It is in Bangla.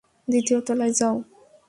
দ্বিতীয় তলায় যাও।